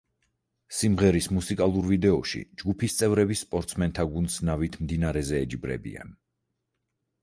სიმღერის მუსიკალურ ვიდეოში ჯგუფის წევრები სპორტსმენთა გუნდს ნავით მდინარეზე ეჯიბრებიან.